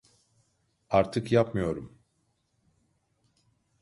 Artık yapmıyorum.